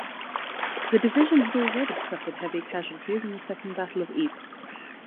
The division had already suffered heavy casualties in the Second Battle of Ypres.